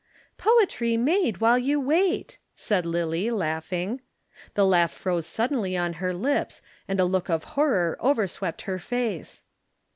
"Poetry made while you wait," said Lillie, laughing. The laugh froze suddenly on her lips, and a look of horror overswept her face.